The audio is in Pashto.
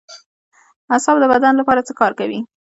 اعصاب د بدن لپاره څه کار کوي